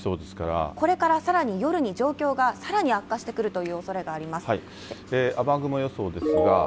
これからさらに夜に状況がさらに悪化してくるというおそれが雨雲予想ですが。